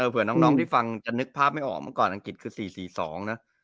เผื่อน้องที่ฟังจะนึกภาพไม่ออกมาก่อนอังกฤษคือ๔๔๒นะ